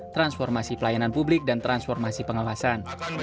transformasi pelayanan publik dan transformasi pengawasan